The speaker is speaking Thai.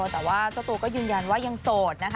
แต่ว่าเจ้าตูฯก็ยืนยันว่ายังโศก